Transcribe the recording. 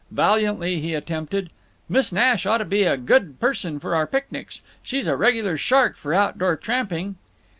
Valiantly he attempted: "Miss Nash oughta be a good person for our picnics. She's a regular shark for outdoor tramping."